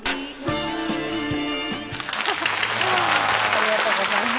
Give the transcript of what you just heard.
ありがとうございます。